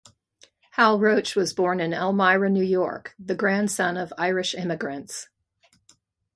Hal Roach was born in Elmira, New York, the grandson of Irish immigrants.